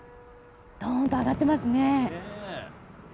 どんと上がっていますね。